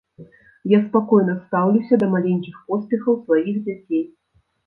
Я спакойна стаўлюся да маленькіх поспехаў сваіх дзяцей.